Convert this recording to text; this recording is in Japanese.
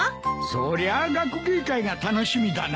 そりゃ学芸会が楽しみだな。